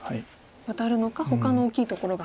ワタるのかほかの大きいところが。